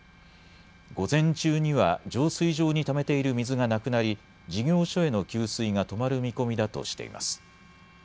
午前中には浄水場にためている水がなくなり事業所への給水が止まる見込みだとしています。